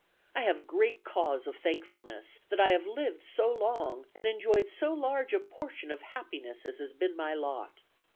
I have great cause of thankfulness, that I have lived so long and enjoyed so large a portion of happiness as has been my lot.